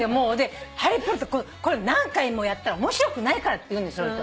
ハリー・ポッター何回もやったら面白くないからって言うその人。